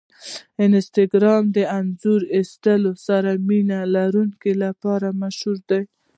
انسټاګرام د انځور ایستلو سره مینه لرونکو لپاره مشهور دی.